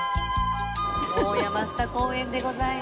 おっ山下公園でございます。